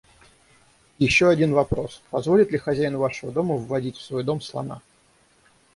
Еще один вопрос: позволит ли хозяин вашего дома вводить в свой дом слона?